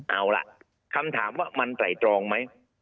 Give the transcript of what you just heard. เอาล่ะคำถามว่ามันไตรตรองไหม